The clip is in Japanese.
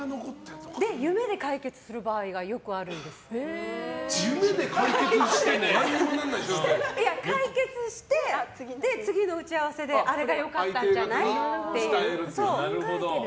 夢で解決する場合が夢で解決しても解決して、次の打ち合わせであれが良かったんじゃない？っていう。